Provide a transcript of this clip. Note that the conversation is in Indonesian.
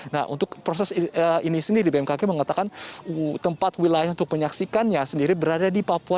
nah untuk proses ini sendiri bmkg mengatakan tempat wilayah untuk menyaksikannya sendiri berada di papua